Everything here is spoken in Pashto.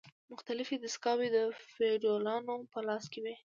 مختلفې دستګاوې د فیوډالانو په لاس کې وې.